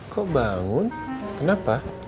kok bangun kenapa